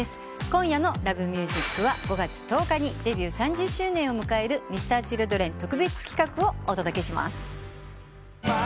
今夜の『Ｌｏｖｅｍｕｓｉｃ』は５月１０日にデビュー３０周年を迎えるＭｒ．Ｃｈｉｌｄｒｅｎ特別企画をお届けします。